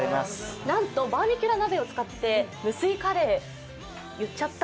なんとバーミキュラ鍋を使って無水カレー言っちゃった。